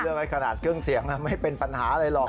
เลื่อนไว้ขนาดเครื่องเสียงไม่เป็นปัญหาเลยหรอก